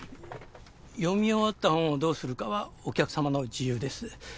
読み終わった本をどうするかはお客さまの自由です。